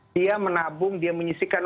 dia menabung dia menyisikan